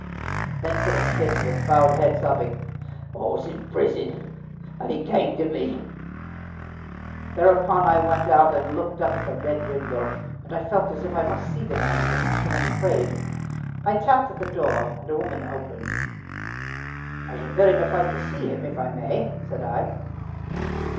Then said a fifth, with bowed head, sobbing: "I was in prison, and he came to me." Thereupon I went out and looked up at the red window, and I felt as if I must see the man for whom so many prayed. I tapped at the door, and a woman opened. "I should so much like to see him, if I may," said I.